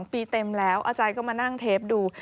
ปีเต็มแล้วอาจารย์ก็มานั่งเทปดู